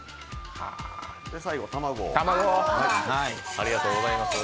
最後、卵を。